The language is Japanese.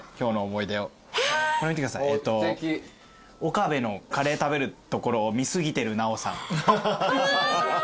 「岡部のカレー食べる所を見過ぎてる奈緒さん」